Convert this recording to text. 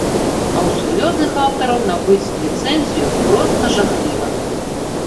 А ў сур'ёзных аўтараў набыць ліцэнзію проста жахліва.